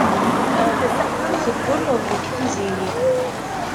Teggulleḍ deg Tiziri.